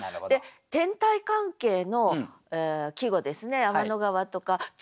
天体関係の季語ですね「天の川」とか「月」。